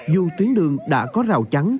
dù tuyến đường đã có rào trắng